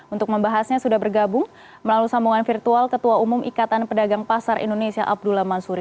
untuk membahasnya sudah bergabung melalui sambungan virtual ketua umum ikatan pedagang pasar indonesia abdullah mansuri